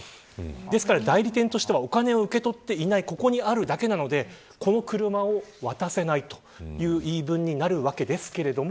ですから代理店としてはお金を受け取っていないだからこの車を渡せないという言い分になるわけですけども。